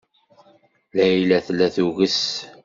Layla tella tuges.